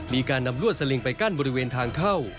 มีการนำลวดสลิงไปกั้นบริเวณทางเข้า